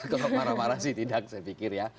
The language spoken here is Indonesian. kalau marah marah sih tidak saya pikir ya